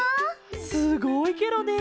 すごいケロね！